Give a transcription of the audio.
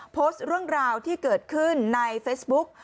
โพสต์เรื่องราวที่เกิดขึ้นในเฟซบุ๊ก